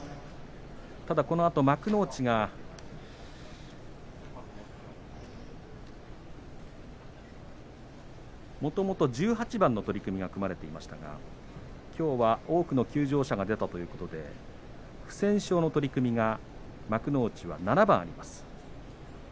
ただこのあと幕内がもともと十八番の取組が組まれていましたがきょうは多くの休場者が出たということで不戦勝の取組が幕内は７番あります。